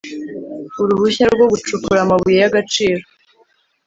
Uruhushya rwo gucukura amabuye y agaciro